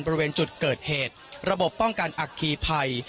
บริเวณจุดเกิดเหตุระบบป้องกันอัคคีภัย